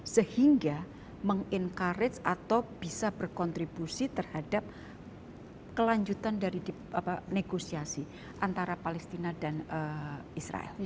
sehingga meng encourage atau bisa berkontribusi terhadap kelanjutan dari negosiasi antara palestina dan israel